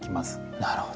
なるほど。